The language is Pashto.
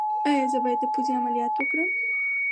ایا زه باید د پوزې عملیات وکړم؟